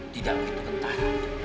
tidak begitu kentah